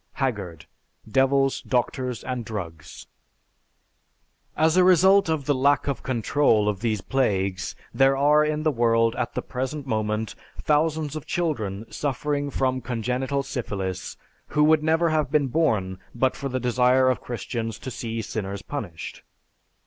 (Haggard, "Devils, Doctors, and Drugs.") As a result of the lack of control of these plagues there are in the world at the present moment thousands of children suffering from congenital syphilis who would never have been born but for the desire of Christians to see sinners punished.